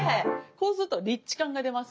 こうするとリッチ感が出ますよね？